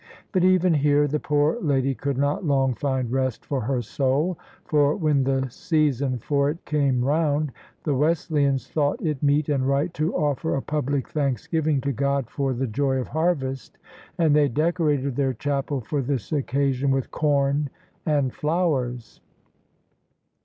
But even here the poor lady could not long find rest for her soul: for when the season for it came round, the Wesleyans thought it meet and right to ofFer a public thanksgiving to God for the joy of harvest, and they decorated their chapel for this occasion with com and flowers.